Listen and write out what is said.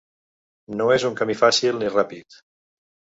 No és un camí fàcil ni ràpid.